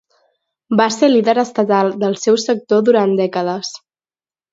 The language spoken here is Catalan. Va ser líder estatal del seu sector durant dècades.